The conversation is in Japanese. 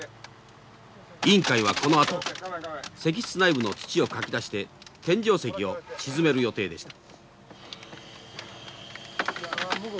委員会はこのあと石室内部の土をかき出して天井石を沈める予定でした。